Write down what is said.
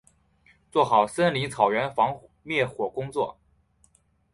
做好森林草原防灭火工作